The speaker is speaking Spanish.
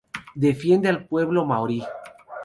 Defiende al pueblo maorí.